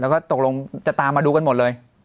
ก็ตกลงจะตามมาดูหมดเลย